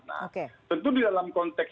nah tentu di dalam konteks